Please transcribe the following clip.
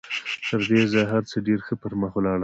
تر دې ځايه هر څه ډېر ښه پر مخ ولاړل.